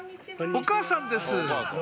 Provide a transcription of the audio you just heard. お母さんです